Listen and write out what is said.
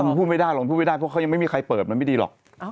มันพูดผิดได้เพราะเขายังไม่มีใครเปิดไม่ได้ดีหรอก